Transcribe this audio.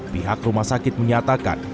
pihak rumah sakit menyatakan